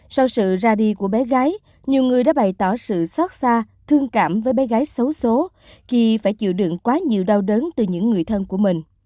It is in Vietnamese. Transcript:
sau sự ra đi của bé gái nhiều người đã bày tỏ sự xót xa thương cảm với bé gái xấu xố khi phải chịu đựng quá nhiều đau đớn từ những người thân của mình